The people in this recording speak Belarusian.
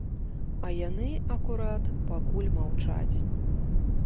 А яны, акурат, пакуль маўчаць.